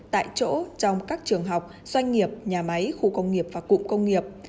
tại chỗ trong các trường học doanh nghiệp nhà máy khu công nghiệp và cụm công nghiệp